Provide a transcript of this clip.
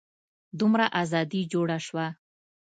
دومره ازادي جوړه شوه.